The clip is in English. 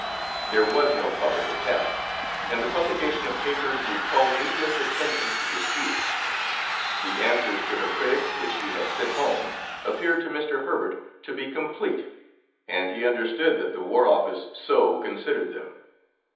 There was no public attack, and the publication of papers would call needless attention to disputes. The answers to her critics, which she had sent home, appeared to Mr. Herbert to be complete, and he understood that the War Office so considered them.